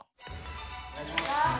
おねがいします。